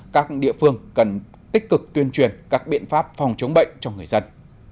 các địa phương cần tích cực tuyên truyền các biện pháp phòng chống bệnh cho người dân